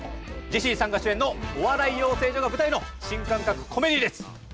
ジェシーさんが主演のお笑い養成所が舞台の新感覚コメディーです。